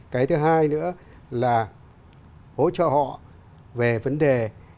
cái thứ hai nữa là hỗ trợ họ về vấn đề